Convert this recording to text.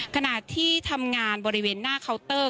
ขณะที่ทำงานบริเวณหน้าเคาน์เตอร์